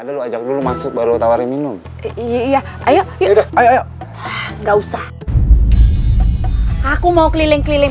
ada lu ajak dulu masuk baru tawarin minum iya ayo ayo nggak usah aku mau keliling keliling